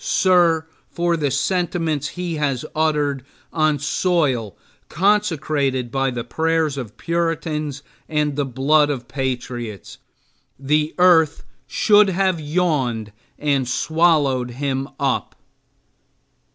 Sir, for the sentiments he has uttered on soil consecrated by the prayers of Puritans and the blood of patriots, the earth should have yawned and swallowed him up.